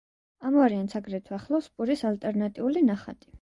ამ ვარიანტს აგრეთვე ახლავს პურის ალტერნატიული ნახატი.